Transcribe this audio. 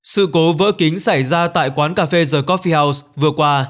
sự cố vỡ kính xảy ra tại quán cà phê the coffee house vừa qua